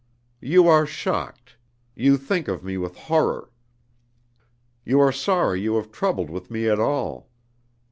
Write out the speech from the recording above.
"You are shocked. You think of me with horror. You are sorry you have troubled with me at all.